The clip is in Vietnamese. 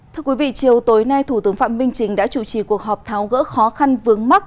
thưa quý vị chiều tối nay thủ tướng phạm minh chính đã chủ trì cuộc họp tháo gỡ khó khăn vướng mắt